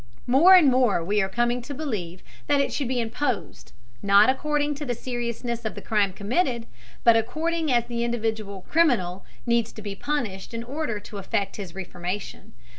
More and more we are coming to believe that it should be imposed, not according to the seriousness of the crime committed, but according as the individual criminal needs to be punished in order to effect his reformation.